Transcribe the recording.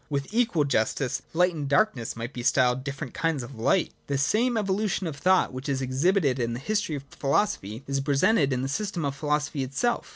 With equal justice, light and darkness might be styled different kinds of light. 14.] The same evolution of thought which is exhibited in the history of philosophy is presented in the System of Philosophy itself.